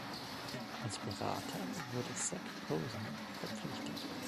Als Berater wurde Zac Posen verpflichtet.